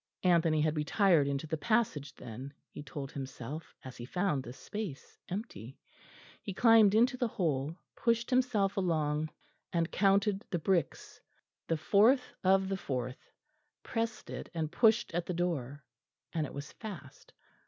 Anthony had retired into the passage then, he told himself, as he found the space empty. He climbed into the hole, pushed himself along and counted the bricks the fourth of the fourth pressed it, and pushed at the door; and it was fast.